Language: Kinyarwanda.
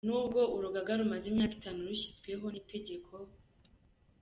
Nubwo urugaga rumaze imyaka itanu rushyizweho n’itegeko, Eng.